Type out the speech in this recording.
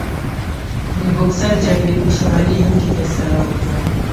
د بوکسر جګړې په شمالي هند کې فیصله وکړه.